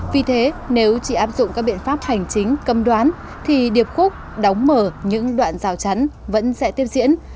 vì thế nếu chỉ áp dụng các biện pháp hành chính công đoán thì điệp khúc đóng mở những đoạn rào chắn vẫn sẽ tiếp diễn